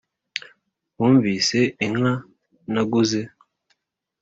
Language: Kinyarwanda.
Bumvise inka naguze